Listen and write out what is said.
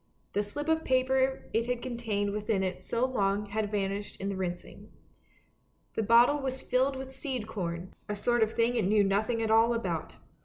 The slip of paper it had contained within it so long had vanished in the rinsing. The bottle was filled with seed corn, a sort of thing it knew nothing at all about.